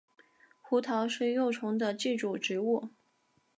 胡桃是幼虫的寄主植物。